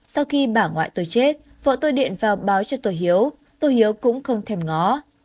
sau khi bà ngoại tôi chết vợ tôi điện vào báo cho tô hiếu tô hiếu cũng không thèm ngó